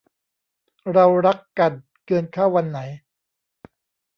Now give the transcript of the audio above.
เรารักกัน เงินเข้าวันไหน